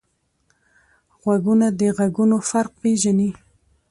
غوږونه د غږونو فرق پېژني